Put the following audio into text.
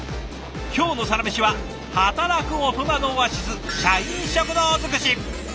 今日の「サラメシ」は働くオトナのオアシス社員食堂尽くし！